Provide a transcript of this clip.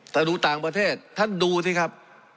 ถ้าดูต่างประเทศท่านดูสิครับ